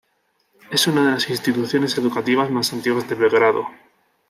Es una de las instituciones educativas más antiguas de Belgrado.